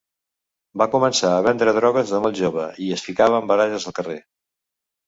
Va començar a vendre drogues de molt jove, i es ficava en baralles al carrer.